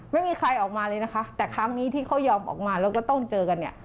ไม่มีใครออกมาเลยนะคะแต่ครั้งนี้ที่เขายอมออกมาแล้วก็ต้องเจอกันเนี่ย